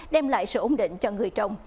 đem lại sự ổn định cho người trồng